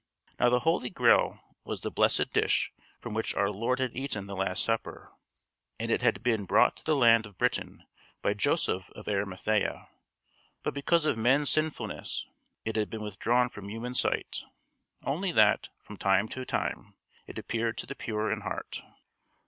Now the Holy Grail was the blessed dish from which our Lord had eaten the Last Supper, and it had been brought to the land of Britain by Joseph of Arimathea; but because of men's sinfulness, it had been withdrawn from human sight, only that, from time to to time, it appeared to the pure in heart.